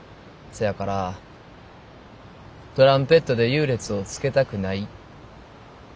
そやからトランペットで優劣をつけたくない。